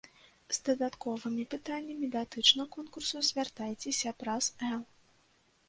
З дадатковымі пытаннямі датычна конкурсу звяртайцеся праз эл.